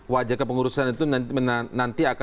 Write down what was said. wajah kepengurusan itu nanti akan